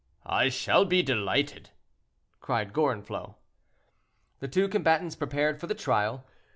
"I shall be delighted," cried Gorenflot. The two combatants prepared for the trial.